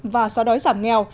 và xóa đói giảm nghèo